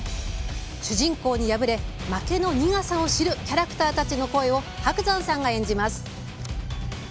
主人公に敗れ、負けの苦さを知るキャラクターたちの声を伯山さんが演じます。